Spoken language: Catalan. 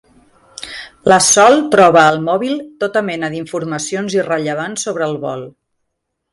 La Sol troba al mòbil tota mena d'informacions irrellevants sobre el vol.